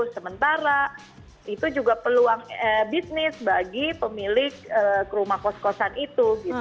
sementara itu juga peluang bisnis bagi pemilik rumah kos kosan itu